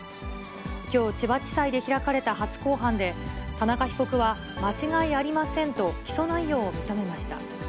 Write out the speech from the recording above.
きょう、千葉地裁で開かれた初公判で、田中被告は、間違いありませんと起訴内容を認めました。